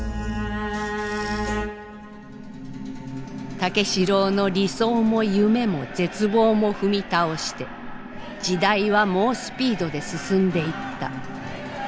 武四郎の理想も夢も絶望も踏み倒して時代は猛スピードで進んでいった。